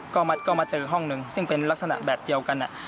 ก็มาเจอห้องหนึ่งซึ่งเป็นลักษณะแบบเดียวกัน